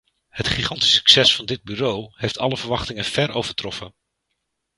Het gigantische succes van dit bureau heeft alle verwachtingen ver overtroffen.